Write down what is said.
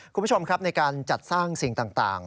คุณผู้ชมครับในการจัดสร้างสิ่งต่าง